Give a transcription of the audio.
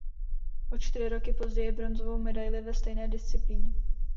O čtyři roky později bronzovou medaili ve stejné disciplíně.